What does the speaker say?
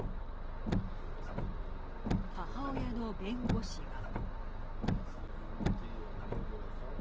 母親の弁護士は。